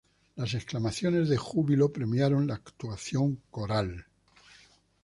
Las exclamaciones de júbilo premiaron la actuación coral.